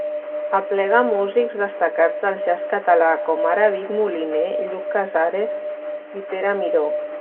Aplega músics destacats del jazz català, com ara Vic Moliner, Lluc Casares i Pere Miró.